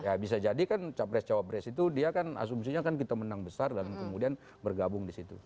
ya bisa jadi kan capres cawapres itu dia kan asumsinya kan kita menang besar dan kemudian bergabung di situ